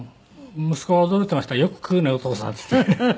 息子が驚いていました「よく食うねお父さん」って言って。